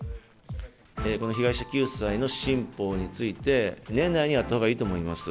この被害者救済の新法について、年内にやったほうがいいと思います。